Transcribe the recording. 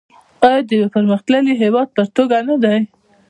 آیا د یو پرمختللي هیواد په توګه نه دی؟